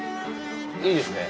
いいですね